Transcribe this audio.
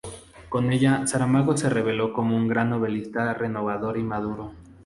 Con ella Saramago se reveló como un gran novelista renovador y maduro.